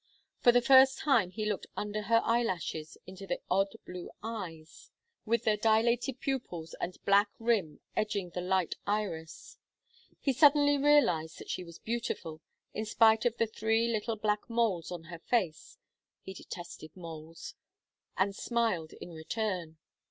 For the first time he looked under her eyelashes into the odd blue eyes, with their dilated pupils and black rim edging the light iris. He suddenly realized that she was beautiful, in spite of the three little black moles on her face he detested moles and smiled in return.